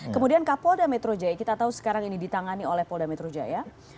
kemudian kapolda metro jaya kita tahu sekarang ini ditangani oleh polda metro jaya